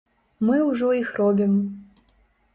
Мы ўжо іх робім.